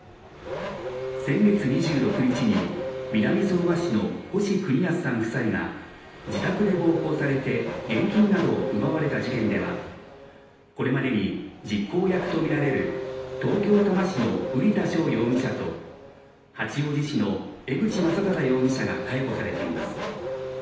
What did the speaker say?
先月２６日に南相馬市の星邦康さん夫妻が自宅で暴行されて現金などを奪われた事件ではこれまでに実行役とみられる東京・多摩市の瓜田翔容疑者と八王子市の江口将匡容疑者が逮捕されています。